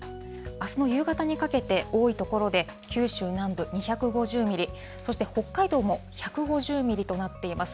あすの夕方にかけて、多い所で九州南部２５０ミリ、そして北海道も１５０ミリとなっています。